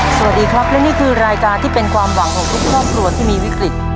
สวัสดีครับและนี่คือรายการที่เป็นความหวังของทุกครอบครัวที่มีวิกฤต